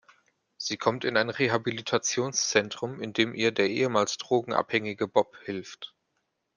Sie kommt in ein Rehabilitationszentrum, in dem ihr der ehemals drogenabhängige Bob hilft.